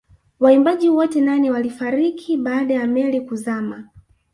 Waimbaji wote nane walifariki baada ya meli kuzama